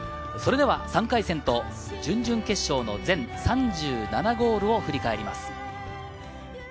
それでは３回戦と準々決勝の全３７ゴールを振り返ります。